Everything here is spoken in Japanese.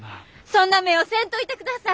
そんな目をせんといてください！